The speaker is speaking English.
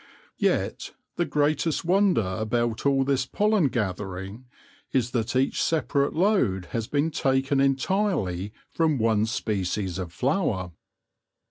Yet the greatest wonder about all this pollen gathering is that each separate load has been taken entirely from one species of flower.